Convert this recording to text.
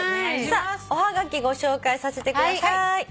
おはがきご紹介させてください。